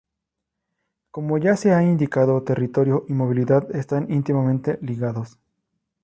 Como ya se ha indicado, territorio y movilidad están íntimamente ligados.